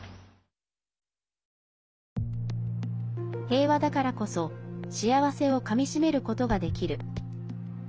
平和だからこそ幸せをかみしめることができる。